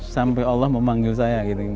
sampai allah memanggil saya